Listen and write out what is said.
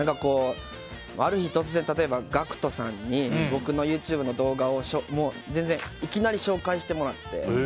ある日突然、例えばＧＡＣＫＴさんに僕のＹｏｕＴｕｂｅの動画をいきなり紹介してもらって。